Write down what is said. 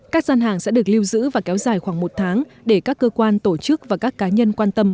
các gian hàng sẽ được lưu giữ và kéo dài khoảng một tháng để các cơ quan tổ chức và các cá nhân quan tâm